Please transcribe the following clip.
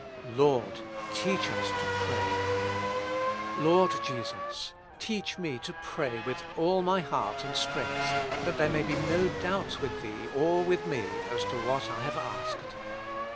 "Lord, teach us to pray." Lord Jesus ! teach me to pray with all my heart and strength, that there may be no doubt with Thee or with me as to what I have asked.